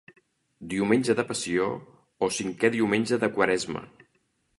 Diumenge de Passió o Cinquè Diumenge de Quaresma.